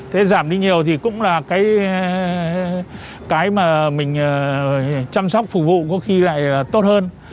thế giảm đi nhiều thì cũng là cái mà mình chăm sóc phục vụ có khi lại tốt hơn